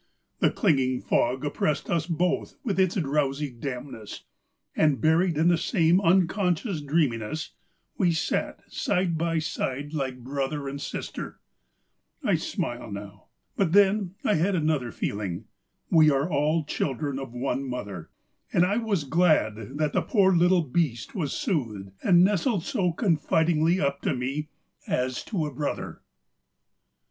The clinging fog oppressed us both with its drowsy dampness ; and buried in the same un 318 POEMS IN PROSE conscious dreaminess, we sat side by side like brother and sister. I smile now ... but then I had another feeling. We are all children of one mother, and I was glad that the poor little beast was soothed and nestled so confidingly up to me, as to a brother.